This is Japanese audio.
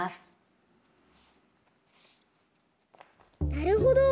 なるほど！